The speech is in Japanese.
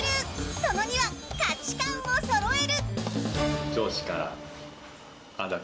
その２は価値感をそろえる。